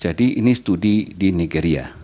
jadi ini studi di negeri ya